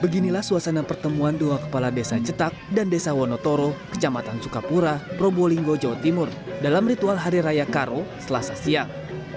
beginilah suasana pertemuan dua kepala desa cetak dan desa wonotoro kecamatan sukapura probolinggo jawa timur dalam ritual hari raya karo selasa siang